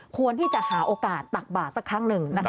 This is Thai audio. ควรที่จะหาโอกาสตักบาทสักครั้งหนึ่งนะคะ